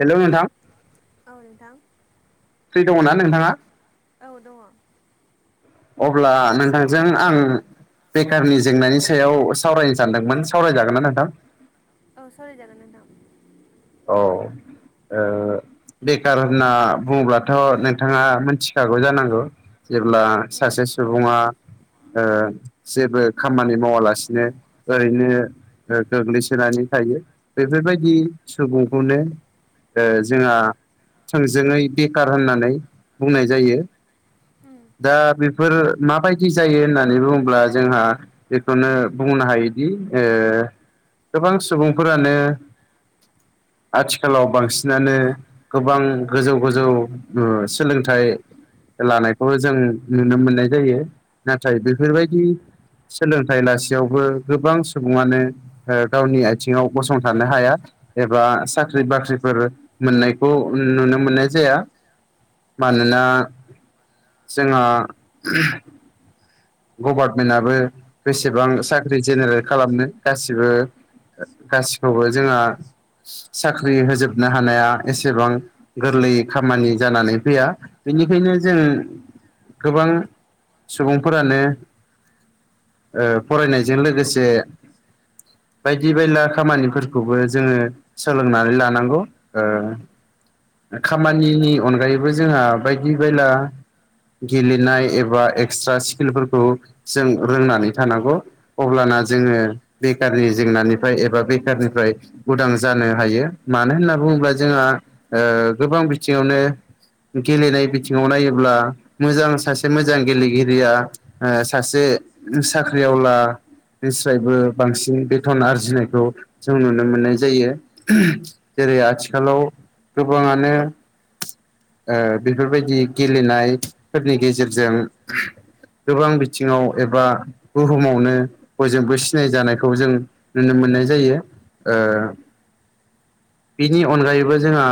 हेल' नोंथां औ नोंथां। फ्रि दङना नोंथाङा? औ दङ। अब्ला नोंथांजों आं बेखारनि जेंनानि सायाव सावरायनो सानदोंमोन सावरायजागोन ना नोंथां? सावरायजागोन नोंथां औ। ओ बेखार होनना बुङोब्लाथ' नोंथाङा मिथिखागौ जानांगौ? जेब्ला सासे सुबुङा ओ जेबो खामानि मावालासिनो ओरैनो ओ गोग्लैसोनानै थायो बेफोरबायदि सुबुंखौनो ओ जोंहा थोंजोङै बेखार होननानै बुंनाय जायो। उम [inaudible] दा बेफोर माबायदि जायो होननानै बुङोब्ला जोंहा बेखौनो बुंनो हायोदि ओ गोबां सुबुंफोरानो आथिखालाव बांसिनानो गोबां गोजौ गोजौ सोलोंथाइ लानायखौ जों नुनो मोननाय जायो नाथाय बेफोरबायदि सोलोंथाइ लासेयावबो गोबां सुबुङानो गावनि आथिङाव गसंथानो हाया एबा साख्रि बाख्रिफोर मोननायखौ नुनो मोननाय जाया। मानोना जोंहा गभारमेन्टआबो बेसेबां साख्रि जेनेरेट खालामनो गासिबो गासिखौबो जोंहा साख्रि होजोबनो हानाया एसेबां गोरलै खामानि जानानै फैया। बेनिखायनो जों गोबां सुबुंफोरानो ओ फरायनायजों लोगोसे बायदि बायला खामानिफोरखौबो जोङो सोलोंनानै लानांगौ ओ खामानिनि अनगायैबो जोंहा बायदि बायला गेलेनाय एबा एक्सट्रा फ्किलफोरखौ जों रोंनानै थानांगौ अब्लाना जोङो बेखारनि जेंनानिफ्राय एबा बेखारनिफ्राय उदां जानो हायो मानो होनना बुङोब्ला जोंहा ओ गोबां बि बिथिङावनो गेलेनाय बिथिङाव नायोब्ला मोजां सासे मोजां गेलेगिरिया ओ सासे साख्रिआवला निस्रायबो बांसिन बेथन आरजिनायखौ जों नुनो मोननाय जायो‌। जेरै आथिखालाव गोबाङानो ओ बेफोरबायदि गेलेनायफोरनि गेजेरजों गोबां बिथिङाव एबा बुहुमावनो बयजोंबो सिनाय जानायखौ जों नुनो मोननाय जायो ओ बिनि अनगायैबो जोंहा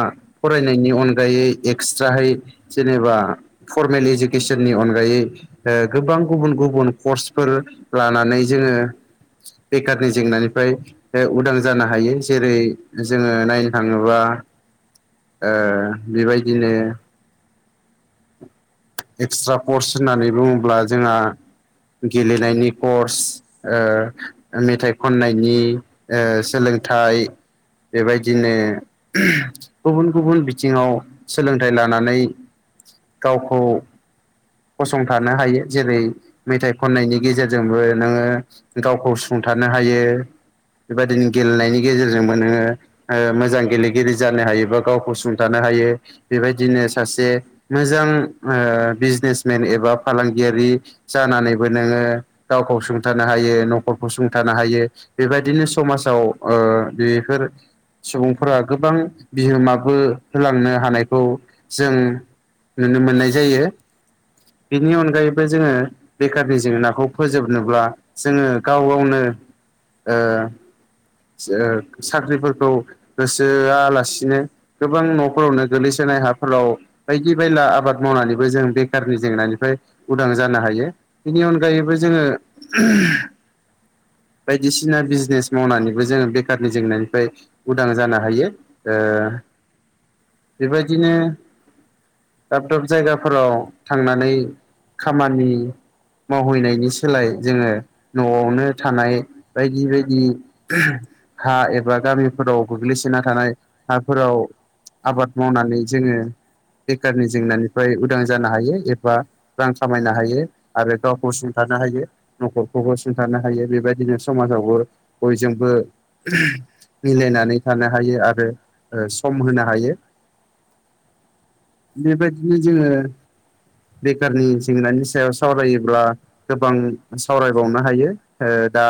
फरायनायनि अनगायै एक्सट्राहै जेनेबा फरमेल इडुकेसननि अनगायै ओ गोबां गुबुन-गुबुन कर्सफोर लानानै जोङो बेखारनि जेंनानिफ्राय ओ उदां जानो हायो जेरै जोङो नायनो थाङोबा ओ बेबायदिनो एक्सट्रा पर्स होननानै बुङोब्ला जोङा गेलेनायनि कर्स ओ मेथाइ खननायनि ओ सोलों थाइ बेबायदिनो होम गुबुन-गुबुन बिथिङाव सोलोंथाइ लानानै गावखौ फसंथानो हायो जेरै मेथाइ खन्नायनि गेजेरजोंबो नोङो गावखौ सुंथा नो हायो। बेबायदिनो गेलेनायनि गेजेरजोंबो नोङो ओ मोजां गेलेगिरि जानो हायोबा गावखौ सुंथानो हायो बेबायदिनो सासे मोजां ओ बिजनेस मेन एबा फालांगियारि जानानैबो नोङो गावखौ सुंथानो हायो न'खरखौ सुंथा हायो बेबायदिनो समाजाव ओ बेफोर सुबुंफोरा गोबां बिहोमाबो होलांनो हानायखौ जों नुनो मोननाय जायो। बिनि अनगायैबो जोङो बेखारनि जेंनाखौ फोजोबनोब्ला जोङो गाव-गावनो ओ ओ साख्रिफोरखौ गोसोहोआलासिनो गोबां न'फोरावनो गोलैसोना हाफोराव बायदि बायला आबाद मावनानैबो जों बेखारनि जेंनानिफ्राय उदां जानो हायो। बेनि अनगायैबो जोङो ओम बायदिसिना बिजनेस मावनानै जोङो बेखारनि जेंनानिफ्राय उदां जानो हायो ओ बेबायदिनो दाब-दाब जायगाफोराव थांनानै खामानि मावहैनायनि सोलाय जोङो न'आवनो थानाय बायदि बायदि हा एबा गामिफोराव गोग्लैसोना थानाय हाफोराव आबाद मावनानै जोङो बेखारनि जेंनानिफ्राय उदां जानो हायो एबा रां खामायनो हायो आरो गावखौ सुंथा नो हायो न'खरखौबो सिथारनो हायो बेबायदिनो समाजावबो बयजोंबो मिलायनानै थानो हायो आरो ओ सम होनो हायो। बेबायदिनो जोङो बेखारनि जेंनानि सायाव सावरायोब्ला गोबां सावरायबावनो हायो दा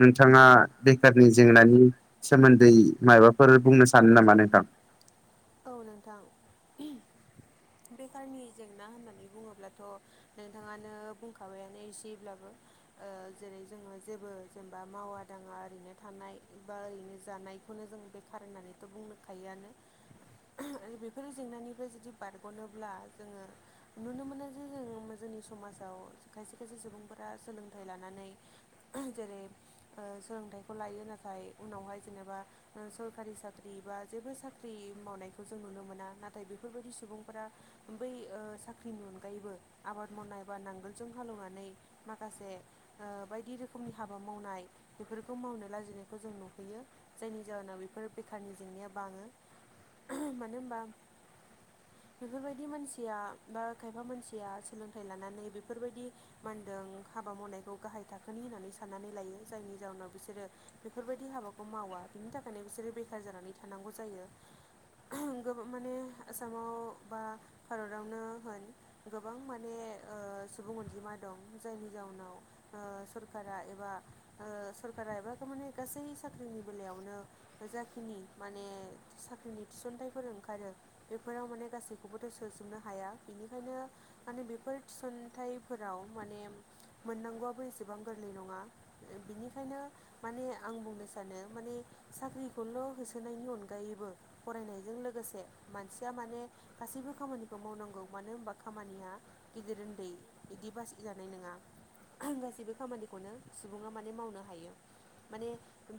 नोंथाङा बेखारनि जेंनानि सोमोन्दै माबाफोर बुंनो सानो नामा नोंथां औ नोंथां बेखारनि जेंना होननानै बुङोब्लाथ' नोंथाङानो बुंखाबायानो एसेब्लाबो ओ जेरै जोङो जेबो जेनेबा मावा दाङा ओरैनो थानाय बा ओरैनो जानाय बेखौनो जों बेखार होननानैथ' बुंनोखायोआनो बेफोर जेंनानिफ्राय जुदि बारग'नोब्ला जोङो नुनो मोनो जे जों जोंनि समाजाव खायसे खायसे सुबुंफोरा सोलोंथाइ लानानै जेरै सोलोंथाइखौ लाय यो नाथाय उनावहाय जेनेबा सरकारि साख्रि बा जेबो साख्रि मावनाय खौ जों नुनो मोना नाथाय बेफोरबायदि सुबुंफोरा बै साख्रिनि अनगायैबो आबाद मावनाय बा नांगोलजों हालेवनानै माखासे बायदि रोखोमनि हाबा मावनाय बेफोरखौ मावनो लाजिनायखौ जों नुहैयो जायनि जाहोनाव बेफोर बेखारनि जेंनाया बाङो मानो होमबा बेफोरबायदि मानसिया बा खायफा मानसिया सोलोंथाइ लानानै बेफोरबायदि मानदों हाबा मावनायखौ गाहाय थाखोनि होननानै साननानै लायो जायनि जाउनाव बिसोरो बेफोरबायदि हाबाखौ मावा बेनि थाखायनो बिसोरो बेखार जानानै थानांगौ जायो गोबां माने आसामाव बा भारतावनो होन गोबां माने सुबुं अनजिमा दं जायनि जाउनाव सरकारा एबा सरकारा एबा माने गासै साख्रिनि बेलायावनो जाखिनि माने साख्रिनि थिसनथाइफोर ओंखारो बेफोराव माने गासैखौबोथ' सोजोबनो हाया बेनिखायनो माने बेफोर फोर थिसनथाइफोराव माने मोननांगौआबो एसेबां गोरलै नङा बिनिखायनो नो माने आं बुंनो सानो माने साख्रिखौल' होसोनायनि अनगायैबो फरायनायजों लोगोसे मानसिया माने गासैबो खामानिखौ मावनांगौ मानो होनबा खामानिया गेदेर उन्दै बिदि बासि जानाय नङा गासैबो खामानिखौनो सुबुङा माने मावनो हायो माने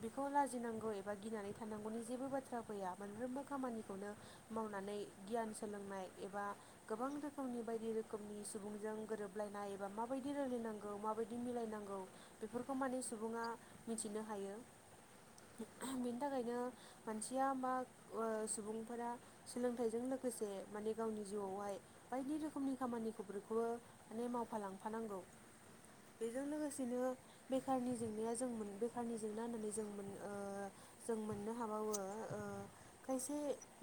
बेखौ लाजिनांगौ एबा गिनानै थानांगौनि जेबो बाथ्रा फैया मोनफ्रोमबो खामानिखौनो मावनानै गियान सोलोंनाय एबा गोबां रोखोमनि बायदि रोखोमनि सुबुंजों गोरोबलायनाय एबा माबायदि रायलायनांगौ माबायदि मिलायनांगौ बेफोरखौ माने सुबुङा मिथिनो हायो बेनि थाखायनो मानसिया मा सुबुंफोरा सोलोंथाइजों लोगोसे माने गावनि जिउआवहाय बायदि रोखोमनि खामानि खामानि [unintelligible] खौबो माने मावफालांफानांगौ बेजों लोगोसेनो बेखारनि जेंनाया जों मोन बेखारनि जेंना होननानै जों मोन जों मोननो हाबावो खायसे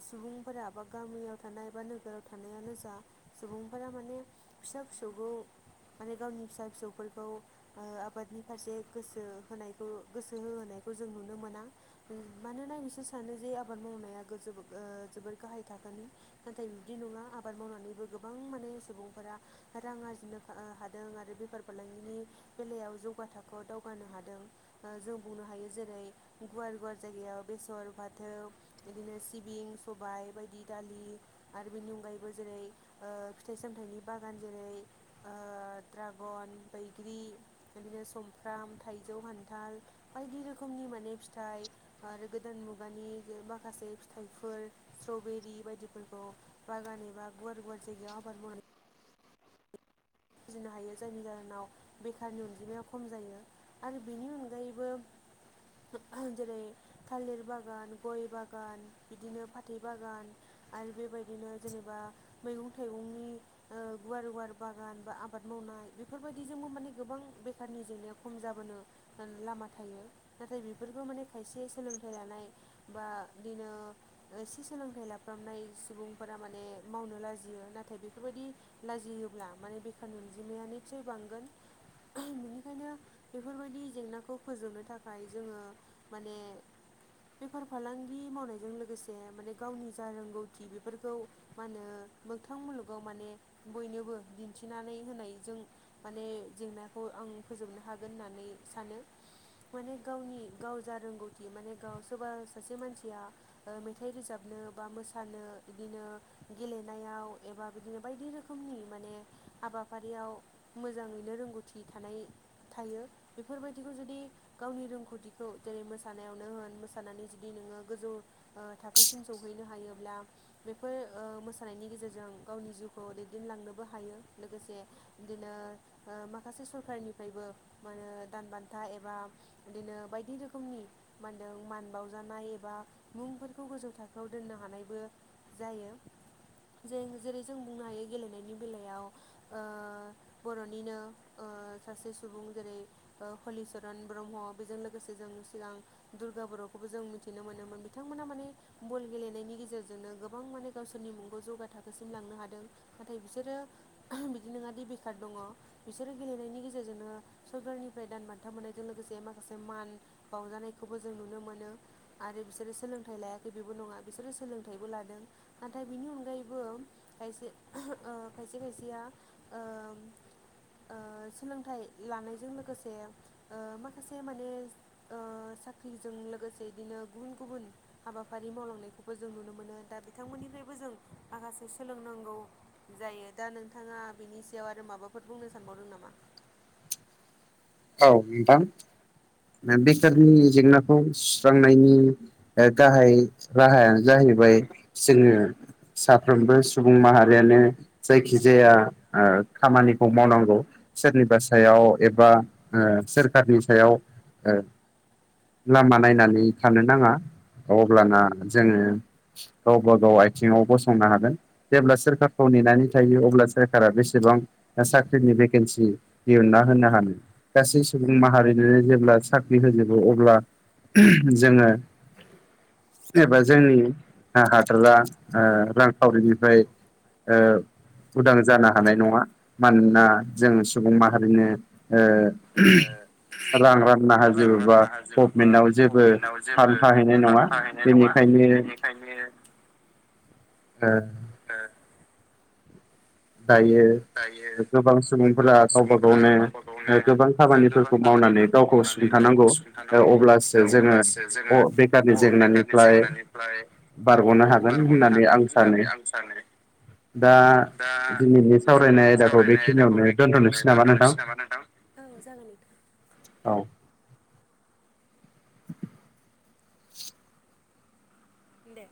सुबुंफोरा बा गामियाव थानाय बा नोगोराव थानायानो जा सुबुंफोरा माने माने फिसा फिसौखौ माने गावनि फिसा फिसौफोरखौ आबादनि फारसे गोसो होनायखौ गोसो होहोनाय जों नुनो मोना मानोना बिसोर सानो जे आ बाद मावनाया [unintelligible] जोबोर गाहाय थाखोनि नाथाय बिबदि नङा आबाद मावनानैबो गोबां माने सुबुंफोरा रां आरजिनो हादों आरो बेफार फालांगिनि बेलायाव जौगा थाखोआव दावगानो हादों जों बुंनो हायो जेरै गुवार गुवार जायगायाव बेसर फाथो बिदिनो सिबिं सबाय बायदि दालि आरो बेनि अनगायैबो जेरै फिथाइ-सा मथाइनि बागान जेरै ओ ड्रागन, बैग्रि बिदिनो सुमफ्राम थायजौ, खान्थाल बायदि रोखोमनि माने फिथाइ आरो गोदान मुगानि गोबां माखासे फिथाइफोर स्ट्रबेरि बायदिफोरखौ बागान एबा गुवार गुवार जायगायाव आबाद मावना जिनो हायो जायनि जाहोनाव बेखारनि अनजिमाया खम जायो आरो बेनि अनगायैबो जेरै थालिर बागान गय बागान बिदिनो फाथै बागान आरो बेबायदिनो जेनेबा मैगं-थाइगंनि ओ गुवार गुवार बागान बा आबाद मावनाय बेफोरबायदिजोंबो माने गोबां बेखारनि जेंनाया खम जाबोनो लामा थायो। नाथाय बेफोरखौ माने खायसे सोलोंथाइ लानाय बा बिनो एसे सोलोंथाइ लाफ्रामनाय सुबुंफोरा माने मावनो लाजियो नाथाय बेफोरबायदि लाजियोब्ला माने बेखारनि अनजिमाया निसय बांगोन बिनिखायनो बेफोरबायदि जेंनाखौ फोजोबनो थाखाय जोङो माने बेफार फालांगि मावनायजों लोगोसे माने गावनि जा रोंगौथि बेफोरखौ मा होनो मोगथां मुलुगाव माने बयनोबो दि दिन्थिनानै होनायजों माने जेंनाखौ आं फोजोबनो हागोन होननानै सानो। माने गावनि गाव जा रोंगौथि माने गाव सोरबा सासे मानसिया ओ मेथाइ रोजाबनो बा मोसानो बिदिनो गेलेनायाव एबा बिदिनो बायदि रोखोमनि माने हाबाफारियाव मोजाङैनो रोंगौथि थानाय थायो बेफोरबायदिखौ जुदि गावनि रोंगौथिखौ जेरै मोसानायावनो होन मोसानानै जुदि नोङो गोजौ थाखोसिम सौहैनो हायोब्ला बेफोर ओ मोसानायनि गेजेरजों गाव जिउखौ दैदेनलांनोबो हायो। लोगोसे बिदिनो माखासे सरखारनिफ्रायबो मो दान बान्था एबा बिदिनो बायदि रोखोमनि मा होनदों मान बावजानाय एबा मुंफोरखौ गोजौ थाखोआव दोननो हानायबो जायो जों जेरै जों बुंनो हायो गेलेनायनि बेलायाव ओ बर'निनो ओ सासे सुबुं जेरै हलिचरन ब्रह्म बेजों लोगोसे जों सिगां दुर्गा बर'खौबो जों मिथिनो मोनोमोन बिथांमोना माने बल गेलेनायनि गेजेरजोंनो गोबां माने गावसोरनि मुंखौ जौगा थाखोसिम लांनो हादों नाथाय बिसोरो मादि बेखार दङ बिसोरो गेलेनायनि गेजेरजोंनो सरखारनिफ्राय दान बान्था मोननायजों लोगोसे माखासे मान बावजानायखौबो जों नुनो मोनो आरो बिसोरो सोलोंथाइ लायाखै बेबो नङा बिसोरो सोलों थाइबो लादों नाथाय बिनि अनगायैबो खायसे ओ खायसे का सेया ओ ओ सोलोंथाइ लानायजों लोगोसे ओ माखासे माने ओ साख्रिजों लोगोसे बिदिनो गुबुन गुबुन हाबाफारि मावलांनायखौबो जों नुनो मोनो दा बिथांमोननि बो जों माखासे सोलोंनांगौ जायो दा नों नोंथाङा बिनि सायाव आरो माबाफोर बुंनो सानबावदों नामा? औ नोंथां बेखारनि जेंनाखौ सुस्रांनायनि ओ गाहाय राहायानो जाहै बाय जोङो साफ्रोमबो सुबुं माहारियानो जायखिजाया आ खामानिखौ मावनांगौ सोरनिबा सायाव एबा सोरखारनि सायाव ओ लामा नायनानै थानो नाङा अब्लाना जोङो गावबा गाव आथिङाव गसंनो हागोन जेब्ला सोरखारखौ नेनानै थायो अब्ला सोरखारा बेसे बां साख्रिनि भेकन्सि दिहुनना होनो हानो गासै सुबुं माहारि जेब्ला साख्रि होजोबो अब्ला जोङो एबा जोंनि हादरा ओ रांखावरिनिफ्राय ओ उदां जानो हानाय नङा मानोना जों सुबुं माहारिनो ओ रां रां रां रांना होजोबोबा गभमेन्टआव फान्ड जेबो थाहैनाय नङा फान्ड थाहैनाय नङा बेनिखायनो बेनिखायनो [unintelligible] [unintelligible] दायो दायो गोबां सुबुंफोरा गोबां गावबा सुबुंफोरा गावनो गावबा गावनो गोबां ओ गोबां खामानिफोरखौ मावनानै खामानिफोरखौ गावखौ सुं मावनानै गावखौ सुंथानांगौ अब्लासो जोङो अ बेखारनि अ बेखारनि जेंनानिफ्राय जेंनानिफ्राय बारग'नो हागोन बारग'नो होननानै हागोन आं होननानै सानो आं सानो दा दा दिनैनि सावरायनाय दिनैनि आयदाखौ सावरायनाय आयदाखौ बेखिनियावनो बेखिनियावनो दोनथ'नोसै नामा दोन्थ'नोसै नामा नोंथां? औ दे